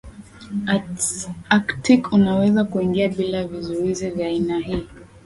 Aktiki unaweza kuingia bila vizuizi vya aina hii